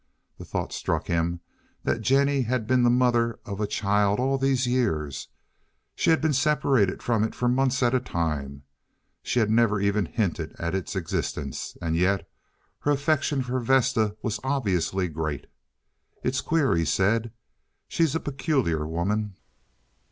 The thought struck him that Jennie had been the mother of a child all these years; she had been separated from it for months at a time; she had never even hinted at its existence, and yet her affection for Vesta was obviously great. "It's queer," he said. "She's a peculiar woman."